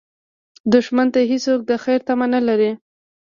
دښمن ته هېڅوک د خیر تمه نه لري